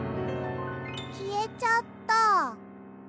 きえちゃった。